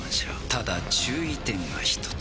ただ注意点が一つ。